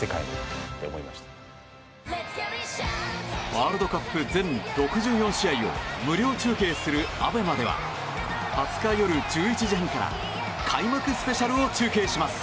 ワールドカップ全６４試合を無料中継するＡＢＥＭＡでは２０日夜１１時半から開幕スペシャルを中継します。